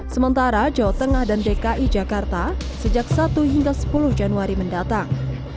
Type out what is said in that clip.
sementara jawa tengah dan dki jakarta sejak satu hingga sepuluh januari mendatang